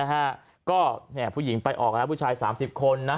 นะฮะก็เนี่ยผู้หญิงไปออกแล้วผู้ชาย๓๐คนนะ